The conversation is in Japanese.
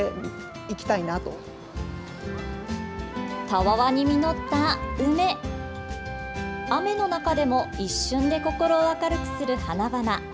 たわわに実った梅、雨の中でも一瞬で心を明るくする花々。